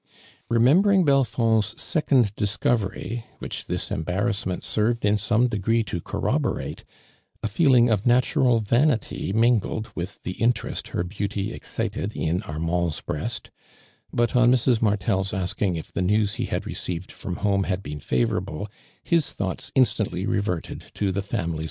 Remembering Belfond's second discov ery, which this embarrassment served in some degree to corroborate, a feeling of na tural vanity mingled with the interest her beauty excited in Armand" s breast, but on Mrs. Martel's asking if the news he had re ceived from home had been favorable, his thoughts instantly reverted to the family H AB^^IfD DUKAND.